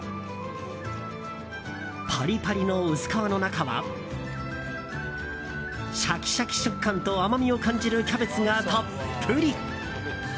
パリパリの薄皮の中はシャキシャキ食感と甘みを感じるキャベツがたっぷり。